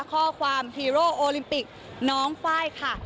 ข้อความฮีโร่โอลิมปิกน้องไฟล์ค่ะ